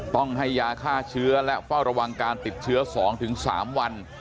ต้องให้ยาฆ่าเชื้อและเฝ้าระวังการติดเชื้อ๒๓วัน